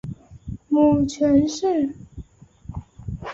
母权氏。